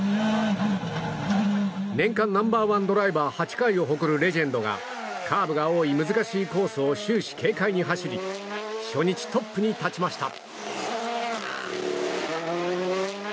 年間ナンバー１ドライバー８回を誇るレジェンドがカーブが多い難しいコースを終始、軽快に走り初日トップに立ちました。